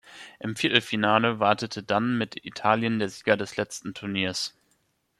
Im Viertelfinale wartete dann mit Italien der Sieger des letzten Turniers.